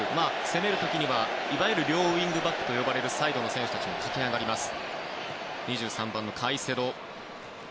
攻める時には、いわゆる両ウィングバックと呼ばれるサイドの選手たちも駆け上がります。